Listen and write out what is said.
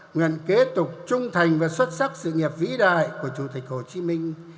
nguyện kế tục trung thành và xuất sắc sự nghiệp vĩ đại của chủ tịch hồ chí minh